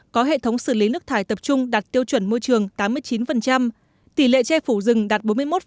có hệ thống xử lý nước thải tập trung đạt tiêu chuẩn môi trường tám mươi chín tỷ lệ che phủ rừng đạt bốn mươi một tám mươi năm